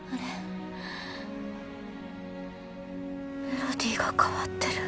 メロディーが変わってる。